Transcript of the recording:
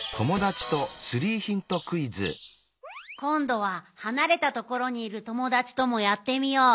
こんどははなれたところにいるともだちともやってみよう。